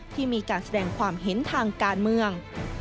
ที่มีการแสดงความเห็นทางการเมือง